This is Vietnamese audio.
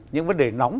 những vấn đề nóng